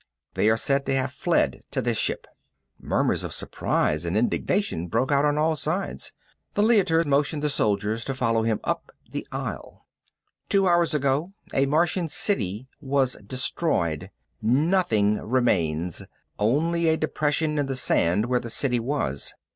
They are said to have fled to this ship." Murmurs of surprise and indignation broke out on all sides. The Leiter motioned the soldiers to follow him up the aisle. "Two hours ago a Martian city was destroyed. Nothing remains, only a depression in the sand where the city was.